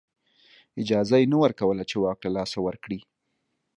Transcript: اجازه یې نه ورکوله چې واک له لاسه ورکړي.